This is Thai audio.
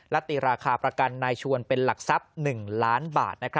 และตีราคาประกันนายชวนเป็นหลักทรัพย์๑ล้านบาท